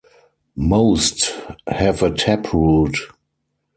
Most have a taproot.